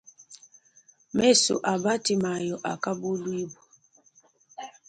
Mesu a batimayo akabuluibua.